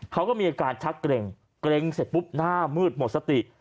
เขาก็มีอาการชักเกร็งเกร็งเสร็จปุ๊บหน้ามืดหมดสติ